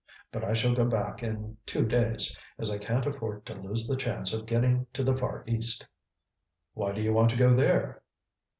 But I shall go back in two days, as I can't afford to lose the chance of getting to the Far East." "Why do you want to go there?"